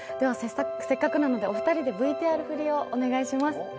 せっかくなのでお二人でＶＴＲ振りをお願いします。